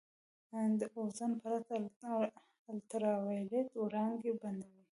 د اوزون پرت الټراوایلټ وړانګې بندوي.